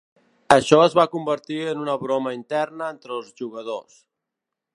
Això es va convertir en una broma interna entre els jugadors.